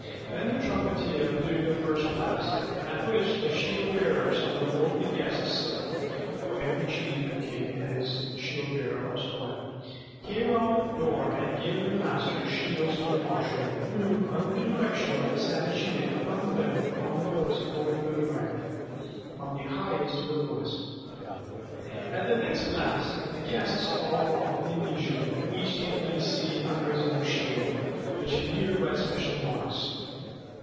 Then the trumpeter blew the first blast, at which the shield bearers of the lordly guests (for every chief and king had his shield bearer or squire) came round the door and gave their masters' shields to the marshal, who, under the direction of the shanachie, hung them on the hooks according to rank, from the highest to the lowest. At the next blast the guests all walked in leisurely, each taking his seat under his own shield (which he knew by special marks).